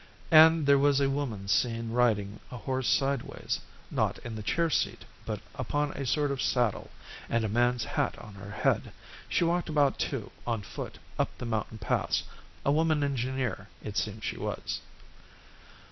And there was a woman seen riding a horse sideways, not in the chair seat, but upon a sort of saddle, and a man's hat on her head. She walked about, too, on foot up the mountain paths. A woman engineer, it seemed she was.